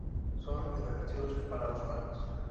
Son inofensivos para los humanos.